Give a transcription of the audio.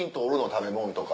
食べ物とか。